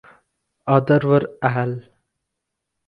Other were Alh.